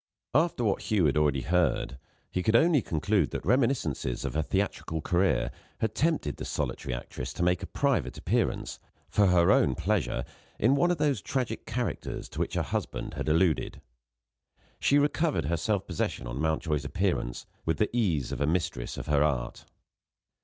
After what Hugh had already heard, he could only conclude that reminiscences of her theatrical career had tempted the solitary actress to make a private appearance, for her own pleasure, in one of those tragic characters to which her husband had alluded. She recovered her self possession on Mountjoy's appearance, with the ease of a mistress of her art.